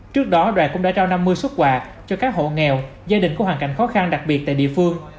trước đó đoàn cũng đã trao năm mươi xuất quà cho các hộ nghèo gia đình có hoàn cảnh khó khăn đặc biệt tại địa phương